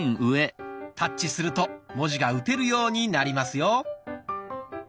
タッチすると文字が打てるようになりますよ。